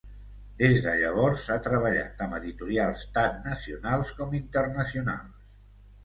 Des de llavors, ha treballat amb editorials tant nacionals com internacionals.